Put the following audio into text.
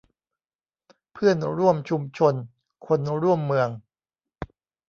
เพื่อนร่วมชุมชน คนร่วมเมือง